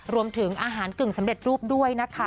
รวมถึงอาหารกึ่งสำเร็จรูปด้วยนะคะ